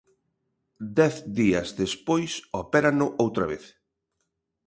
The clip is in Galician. Dez días despois opérano outra vez.